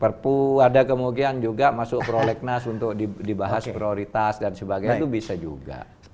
perpu ada kemungkinan juga masuk prolegnas untuk dibahas prioritas dan sebagainya itu bisa juga